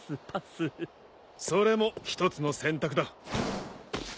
それも一つの選択だ。